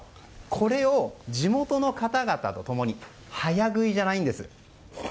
これを地元の方々と共に早食いじゃないんです。